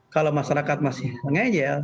kalau masyarakat masih ngejel